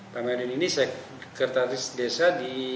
pak medan ini sekretaris desa di